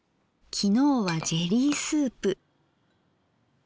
昨日はジェリースープ。